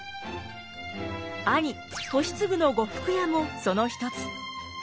兄俊次の呉服屋もその一つ。